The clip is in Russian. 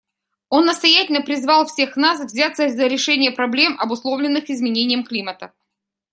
Он настоятельно призвал всех нас взяться за решение проблем, обусловленных изменением климата.